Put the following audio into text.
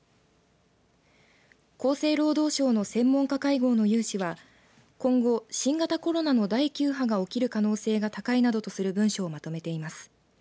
厚生労働省の専門家会合の有志は今後新型コロナの第９波が起きる可能性が高いなどとする文書をまとめています。